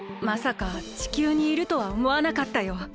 まさか地球にいるとはおもわなかったよ。